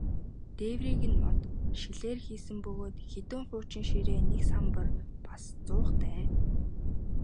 Дээврийг нь мод, шилээр хийсэн бөгөөд хэдэн хуучин ширээ, нэг самбар, бас зуухтай.